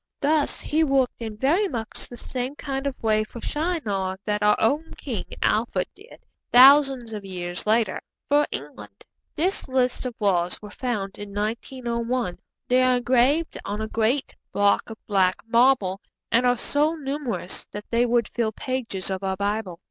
Thus he worked in very much the same kind of way for Shinar that our own King Alfred did, thousands of years later, for England. This list of laws was found in 1901. They are engraved on a great block of black marble, and are so numerous that they would fill pages of our Bible.